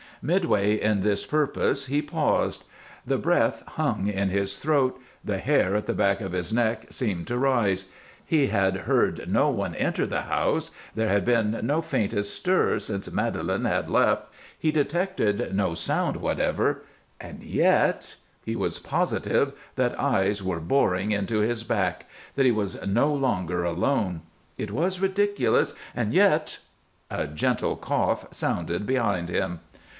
Midway in this purpose he paused. The breath hung in his throat, the hair at the back of his neck seemed to rise. He had heard no one enter the house, there had been no faintest stir since Madelon had left, he detected no sound whatever, and yet he was positive that eyes were boring into his back that he was no longer alone. It was ridiculous, and yet A gentle cough sounded behind him!